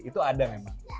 itu ada memang